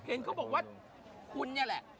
เห็นเขาบอกว่าคุณนี่แหละ